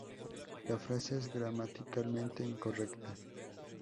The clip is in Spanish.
La frase es gramaticalmente incorrecta.